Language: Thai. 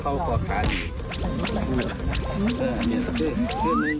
เป็นคนไงไม่เป็นพวก